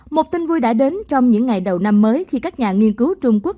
một tin vui đã đến trong những ngày đầu năm mới khi các nhà nghiên cứu trung quốc